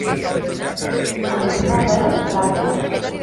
En tocar pèl, rata.